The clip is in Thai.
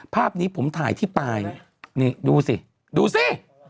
ภาพนี้ผมถ่ายที่ปลายนี่ดูสิดูสิ